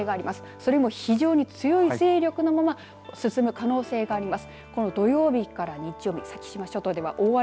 それも非常に強い勢力のまま進む可能性があります。